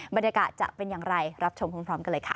บรรยากาศจะเป็นอย่างไรรับชมพร้อมกันเลยค่ะ